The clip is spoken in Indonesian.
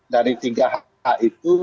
dari tiga hak itu